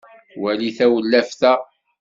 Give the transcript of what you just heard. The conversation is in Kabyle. walit tawellaft-a